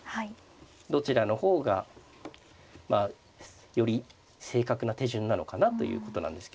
どちらの方がまあより正確な手順なのかなということなんですけど。